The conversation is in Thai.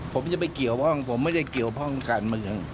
ผมจะไปเกี่ยวข้องผมไม่ได้เกี่ยวข้องการเมือง